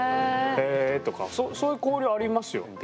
へえとかそういう交流ありますよ。